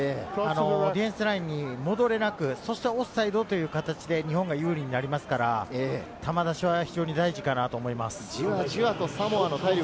ディフェンスラインに戻れなく、そしてオフサイドという形で、日本が有利になりますから、球出しは非常に大事かなと思います。